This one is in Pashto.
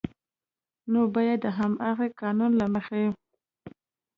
نو بیا د همغه قانون له مخې